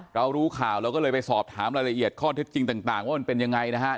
เรารู้ข่าวเราก็เลยไปสอบถามรายละเอียดข้อเท็จจริงต่างว่ามันเป็นยังไงนะครับ